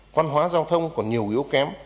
văn hóa giao thông còn nhiều yếu kém